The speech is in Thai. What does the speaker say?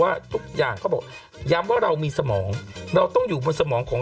ว่าทุกอย่างเขาบอกย้ำว่าเรามีสมองเราต้องอยู่บนสมองของ